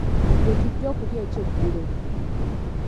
Lye tujja okulya ekyeggulo.